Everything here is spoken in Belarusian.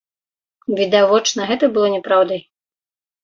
Відавочна, гэта было няпраўдай.